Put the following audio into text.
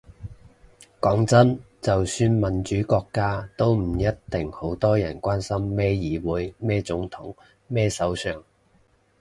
講真，就算民主國家，都唔一定好多人關心咩議會咩總統咩首相